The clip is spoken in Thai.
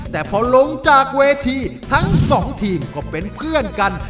แต่พอลงจากเวทีทั้งสองทีมก็เป็นเพื่อนกัน